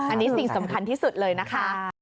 อันนี้สิ่งสำคัญที่สุดเลยนะคะ